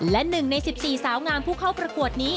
และ๑ใน๑๔สาวงามผู้เข้าประกวดนี้